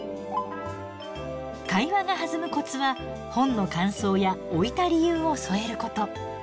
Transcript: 会話が弾むコツは本の感想や置いた理由を添えること。